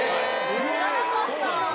知らなかった。